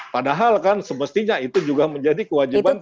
padahal kan semestinya itu juga menjadi kewajiban